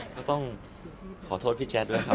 ก็ต้องขอโทษพี่แจ๊ดด้วยครับ